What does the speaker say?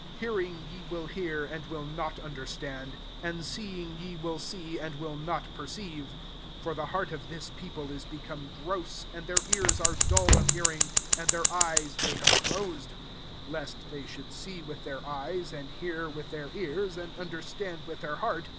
Hearing ye will hear, and will not under stand ; and seeing ye*^Il see» and will not perceive. ST Tpt the heanof this people is li. come gross, and their ears irfc dull of hearing, and their q[fe they have closed ; lest tfc^f should see with their eyes, imd hear with their ears, and uiid^ stand with their heart.